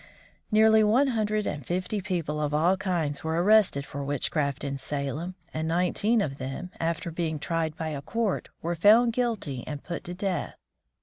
Nearly one hundred and fifty people of all kinds were arrested for witchcraft in Salem, and nineteen of them, after being tried by a court, were found guilty and put to death.